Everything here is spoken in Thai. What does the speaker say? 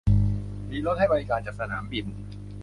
มีรถให้บริการจากสนามบิน